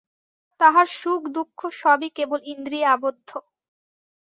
তাহার সুখ-দুঃখ সবই কেবল ইন্দ্রিয়ে আবদ্ধ।